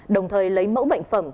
đồng thời lấy mẫu bệnh phẩm